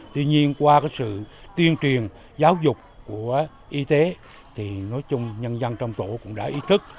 tuy nhiên qua sự tuyên truyền giáo dục của y tế thì nói chung nhân dân trong tổ cũng đã ý thức